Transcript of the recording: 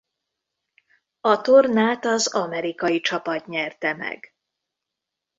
A tornát az amerikai csapat nyerte meg.